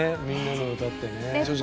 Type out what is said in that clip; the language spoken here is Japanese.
「みんなのうた」ってね。